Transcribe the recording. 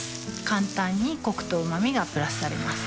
簡単にコクとうま味がプラスされます